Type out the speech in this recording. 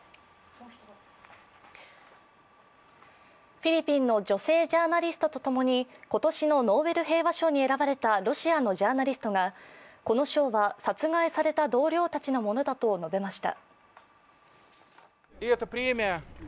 フィリピンの女性ジャーナリストともに今年のノーベル平和賞に選ばれたロシアのジャーナリストが、この賞は殺害された同僚たちのものだと述べました。